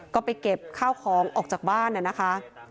ก็ไปเก็บข้าวของออกจากบ้านนะคะ